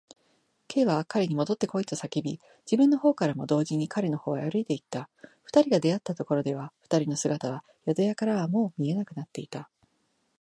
Ｋ は彼にもどってこいと叫び、自分のほうからも同時に彼のほうへ歩いていった。二人が出会ったところでは、二人の姿は宿屋からはもう見えなくなっていた。